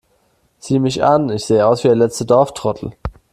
Sieh mich an, ich sehe aus wie der letzte Dorftrottel!